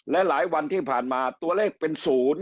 และหลายวันที่ผ่านมาตัวเลขเป็น๐